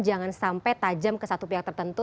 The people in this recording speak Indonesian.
jangan sampai tajam ke satu pihak tertentu